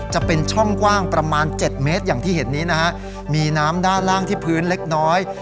จะเป็นช่องกว้างประมาณ๗เมตรอย่างที่เห็นนี้นะฮะมีน้ำด้านล่างที่พื้นเล็กน้อย